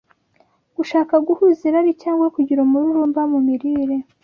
gushaka guhaza irari cyangwa kugira umururumba mu mirire,